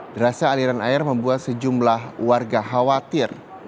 derasnya aliran air membuat sejumlah warga khawatir